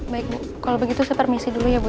baik bu kalau begitu saya permisi dulu ya bu